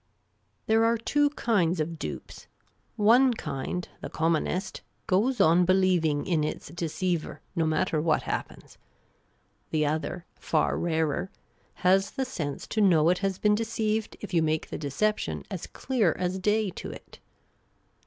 There are two kinds of dupes ; one kind, the commonest, goes on believing in its deceiver, no matter what happens ; the other, far rarer, has the sense to know it has been de ceived if you make the deception as clear as day to it.